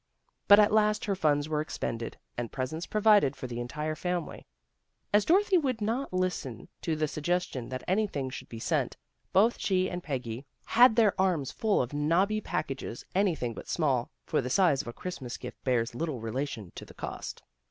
But at last her funds were expended, and presents provided for the entire family. As Dorothy would not listen to the suggestion that anything should be sent, both she and Peggy had their arms full of knobby packages anything but small, for the size of a Christmas gift bears little relation to the cost.